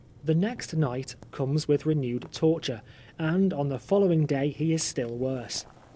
The next night comes with renewed torture, and. on the follow ing day he is still worse.